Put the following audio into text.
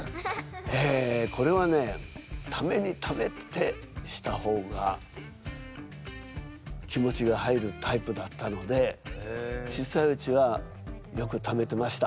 えこれはねためにためてした方が気持ちが入るタイプだったので小さいうちはよくためてました。